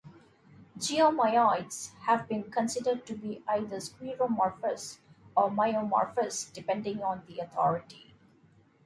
Geomyoids have been considered to be either sciuromorphous or myomorphous depending on the authority.